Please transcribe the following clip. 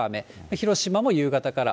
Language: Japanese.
広島も夕方から。